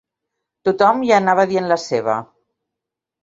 Tot-hom hi anava dient la seva